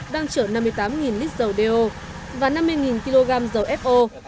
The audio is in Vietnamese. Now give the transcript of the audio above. đang chở năm mươi tám lít dầu đeo và năm mươi kg dầu fo